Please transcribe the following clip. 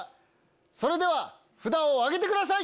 それでは札を挙げてください！